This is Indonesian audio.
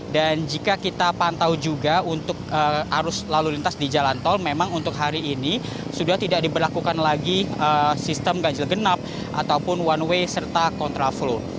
dan jika kita pantau juga untuk arus lalu lintas di jalan tol memang untuk hari ini sudah tidak diberlakukan lagi sistem ganjil genap ataupun one way serta kontra flow